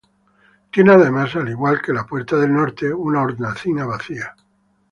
Tiene además, al igual que la puerta del norte, una hornacina vacía.